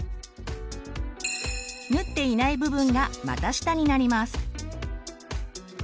縫っていない部分が股下になります。